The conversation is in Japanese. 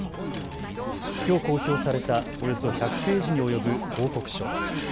きょう公表されたおよそ１００ページに及ぶ報告書。